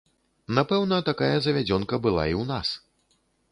Напэўна, такая завядзёнка была і ў нас.